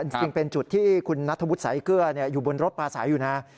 จริงเป็นจุดที่คุณนัทธวุฒิสายเกลืออยู่บนรถปลาใสอยู่นะ